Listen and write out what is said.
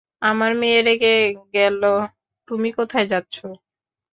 আমার মেয়ে রেগে গেল, তুমি কোথায় যাচ্ছ?